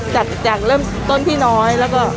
จากเริ่มต้นที่น้อย